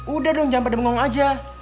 udah dong jangan pada bengong aja